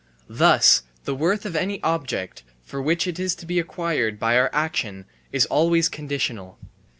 Thus the worth of any object which is to be acquired by our action is always conditional.